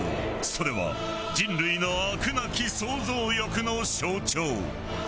それは人類のあくなき創造欲の象徴。